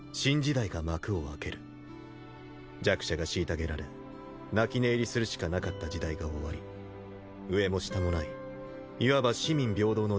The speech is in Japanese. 弱者が虐げられ泣き寝入りするしかなかった時代が終わり上も下もないいわば四民平等の時代が来る。